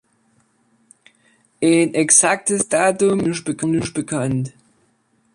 Ein exaktes Datum ist noch nicht bekannt.